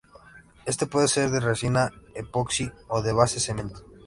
Este puede ser de Resina epoxi o de base cemento.